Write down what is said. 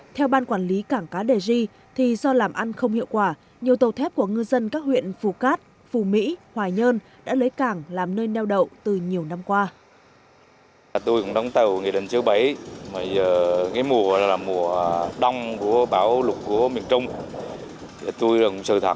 theo ban quản lý cảng cá đề di do làm ăn không hiệu quả nhiều tàu thép của ngư dân các huyện phủ cát phủ mỹ hòa nhơn đã lấy cảng làm nơi neo đậu từ nhiều năm qua